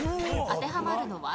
当てはまるのは？